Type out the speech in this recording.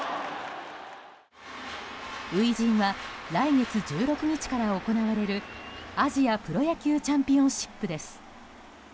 初陣は来月１６日から行われるアジアプロ野球チャンピオンシップです。